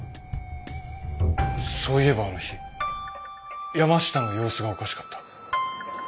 そういえばあの日山下の様子がおかしかった。